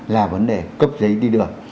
là vấn đề cấp giấy đi đường